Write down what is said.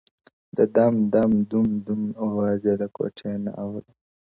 د دم ـ دم، دوم ـ دوم آواز یې له کوټې نه اورم،